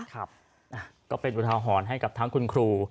ก็เป็นอุทาหรณ์ให้กับทั้งคุณครู